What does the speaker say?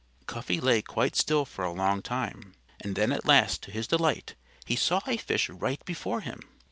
Cuffy lay quite still for a long time. And then at last to his delight he saw a fish right before him.